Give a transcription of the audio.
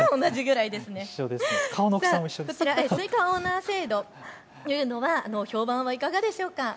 こちらスイカオーナー制度というのは評判はいかがでしょうか。